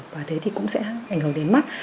và thế thì cũng sẽ ảnh hưởng đến mắt